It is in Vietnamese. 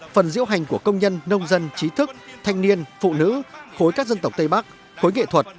phần diễu hành của công nhân nông dân trí thức thanh niên phụ nữ khối các dân tộc tây bắc khối nghệ thuật